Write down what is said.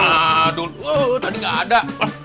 aduh tadi gak ada